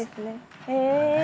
へえ！